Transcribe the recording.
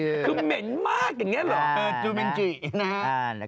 คือเหม็นมากอย่างเงี้ยหรอ